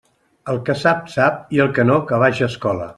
El que sap, sap, i el que no, que vaja a escola.